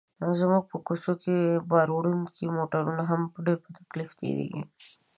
زموږ په کوڅه کې باروړونکي موټر هم په ډېر تکلیف تېرېږي.